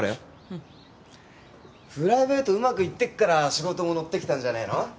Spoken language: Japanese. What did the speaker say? プライベートうまくいってっから仕事も乗ってきたんじゃねえの？